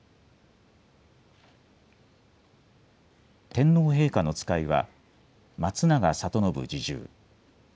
天皇陛下の使いは、松永賢誕侍従。